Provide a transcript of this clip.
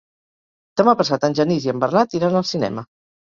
Demà passat en Genís i en Bernat iran al cinema.